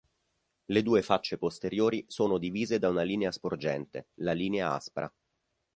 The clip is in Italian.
Le due facce posteriori sono divise da una linea sporgente, la "linea aspra".